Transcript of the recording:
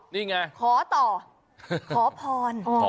นี่ไงขอต่อขอพร